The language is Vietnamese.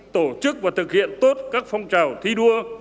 tổ chức và thực hiện tốt các phong trào thi đua